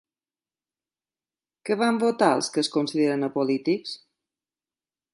Què van votar els que es consideren apolítics?